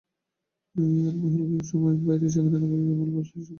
ইয়ারমহল গৃহসীমার বাইরেই, সেখানে নবাবি আমল, মজলিসি সমারোহে সরগরম।